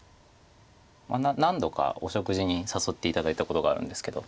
何度かお食事に誘って頂いたことがあるんですけど。